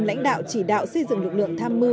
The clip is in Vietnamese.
lãnh đạo chỉ đạo xây dựng lực lượng tham mưu